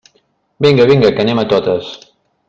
Vinga, vinga, que anem a totes!